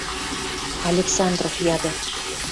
– Александров яды.